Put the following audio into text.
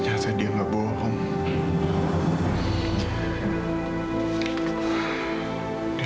tapi apa yang kamu programa